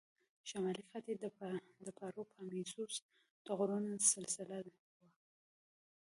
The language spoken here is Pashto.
شمالي خط یې د پاروپامیزوس د غرونو سلسله وه.